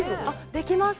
できます。